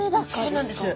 そうなんです。